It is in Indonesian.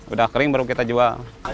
udah kering baru kita jual